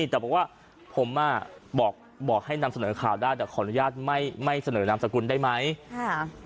แต่บอกว่าผมอ่ะบอกให้นำเสนอข่าวได้แต่ขออนุญาตไม่ไม่เสนอนามสกุลได้ไหมค่ะ